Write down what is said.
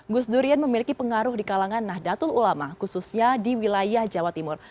gus durian memiliki pengaruh di kalangan nahdlatul ulama khususnya di wilayah jawa timur